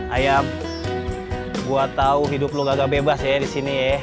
ayam gua tau hidup lu gak bebas ya di sini